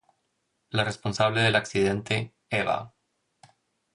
La responsable del accidente, Eva.